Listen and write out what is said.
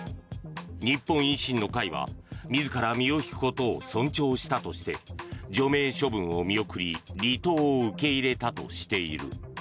日本維新の会は自ら身を引くことを尊重したとして除名処分を見送り離党を受け入れたとしている。